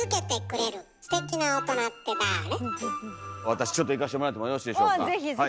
私ちょっといかしてもらってもよろしいでしょうか？